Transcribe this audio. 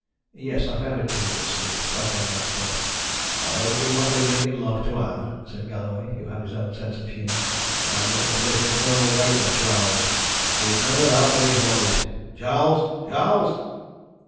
"Yes; I found it difficult to sleep, so I came downstairs." "I hope you've not been making love to Ann," said Galloway, who had his own sense of humour. "I'm looking for this infernal waiter, Charles. He is never about when he's wanted. Charles! Charles!"